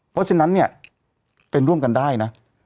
เพราะฉะนั้นเนี่ยเป็นร่วมกันได้นะ